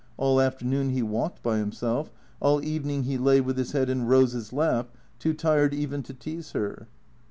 All afternoon he walked by himself. Ail evening he lay with his head in Kose's lap, too tired even to tease her.